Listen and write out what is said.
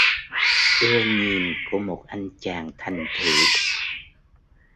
ưa Nhìn của một anh chàng thành thị